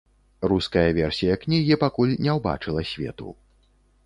Руская версія кнігі пакуль не ўбачыла свету.